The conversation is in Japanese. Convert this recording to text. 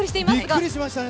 びっくりしましたね！